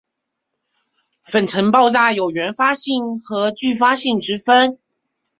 粉尘爆炸有原发性和继发性之分。